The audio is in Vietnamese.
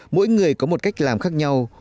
mỗi người có một cách làm khác nhau